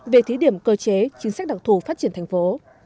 về thí điểm cơ chế chính sách đặc thù phát triển thành phố